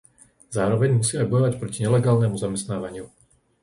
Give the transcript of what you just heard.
Zároveň musíme bojovať proti nelegálnemu zamestnávaniu;